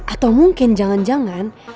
atau mungkin jangan jangan